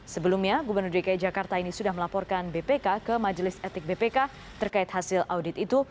sebelumnya gubernur dki jakarta ini sudah melaporkan bpk ke majelis etik bpk terkait hasil audit itu